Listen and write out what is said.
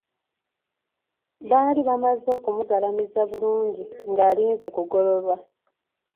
Baali bamaze okumugalamiza bulungi ng'alinze kugololwa.